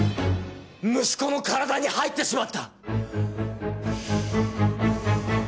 息子の体に入ってしまった！